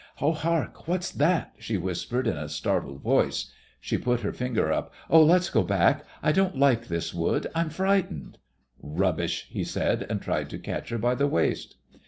"Oh, hark! What's that?" she whispered in a startled voice. She put her finger up. "Oh, let's go back. I don't like this wood. I'm frightened." "Rubbish," he said, and tried to catch her by the waist.